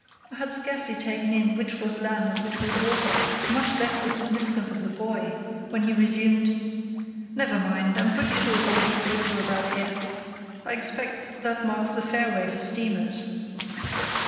I had scarcely taken in which was land and which was water, much less the significance of the buoy, when he resumed: "Never mind; I'm pretty sure it's all deep water about here. I expect that marks the fairway for steamers.